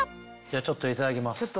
ちょっといただきます。